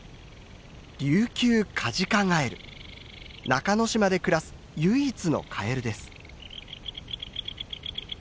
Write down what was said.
中之島で暮らす唯一のカエルです。